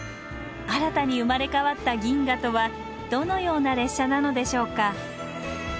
新たに生まれ変わった銀河とはどのような列車なのでしょうか？